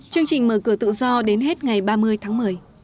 chương trình mở cửa tự do đến hết ngày ba mươi tháng một mươi